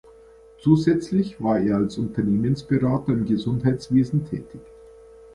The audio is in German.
Zusätzlich war er als Unternehmensberater im Gesundheitswesen tätig.